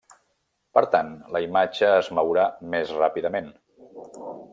Per tant, la imatge es mourà més ràpidament.